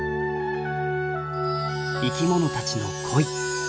生きものたちの恋。